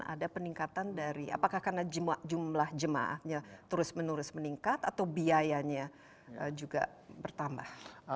ada peningkatan dari apakah karena jumlah jemaahnya terus menerus meningkat atau biayanya juga bertambah